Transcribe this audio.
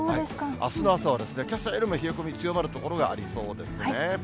あすの朝はですね、けさよりも冷え込み強まる所がありそうですね。